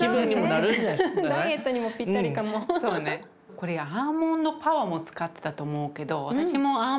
これアーモンドパウダーも使ってたと思うけどにんじんケーキ。